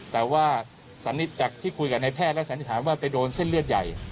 แต่ว่าสันนิษจากที่คุยกับนายแพทย์และสันนิษฐานว่าไปโดนเส้นเลือดใหญ่